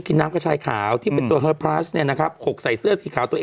กินน้ำกระชายขาวที่เป็นตัวเนี่ยนะครับ๖ใส่เสื้อสีขาวตัว